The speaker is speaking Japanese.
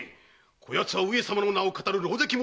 こ奴は上様の名を騙る狼藉者。